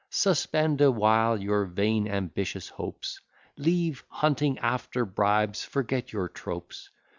Suspend awhile your vain ambitious hopes, Leave hunting after bribes, forget your tropes.